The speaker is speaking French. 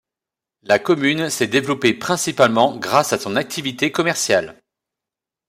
La commune s'est développée principalement grâce à son activité commerciale.